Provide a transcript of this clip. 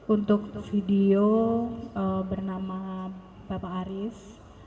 untuk video bernama bapak aris